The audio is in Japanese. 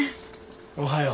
おはよう。